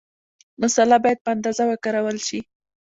مساله باید په اندازه وکارول شي.